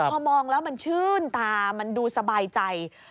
พอมองแล้วมันชื่นตามันดูสบายใจ